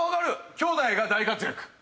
兄弟が大活躍。